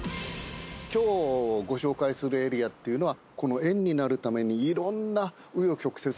今日ご紹介するエリアっていうのはこの。